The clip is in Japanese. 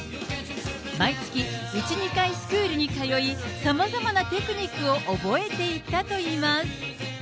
毎月１、２回スクールに通い、さまざまなテクニックを覚えていったといいます。